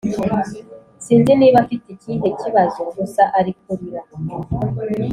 sinzi niba afite ikihe kibazo gusa ari kurira